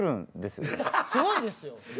すごいっすよ。